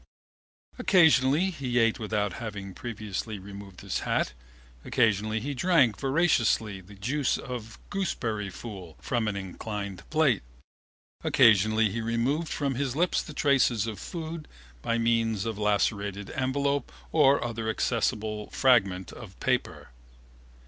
Occasionally he ate without having previously removed his hat. Occasionally he drank voraciously the juice of gooseberry fool from an inclined plate. Occasionally he removed from his lips the traces of food by means of a lacerated envelope or other accessible fragment of paper.